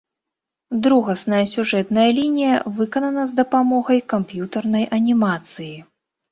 Другасная сюжэтная лінія выканана з дапамогай камп'ютарнай анімацыі.